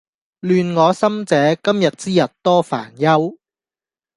亂我心者，今日之日多煩憂